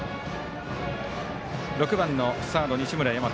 ６番のサード、西村大和。